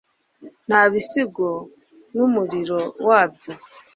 Nta bisigo numuriro wabyo